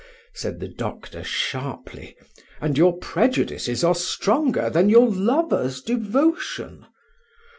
said the doctor sharply, "and your prejudices are stronger than your lover's devotion?